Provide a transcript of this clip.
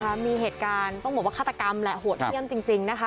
ค่ะมีเหตุการณ์ต้องบอกว่าฆาตกรรมแหละโหวเรียนจริงนะคะ